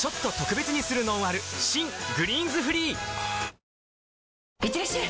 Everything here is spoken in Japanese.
新「グリーンズフリー」いってらっしゃい！